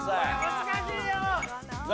難しいよ！